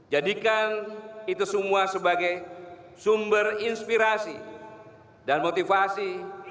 jadikan itu semua sebagai sumber inspirasi dan motivasi